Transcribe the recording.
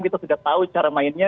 kita sudah tahu cara mainnya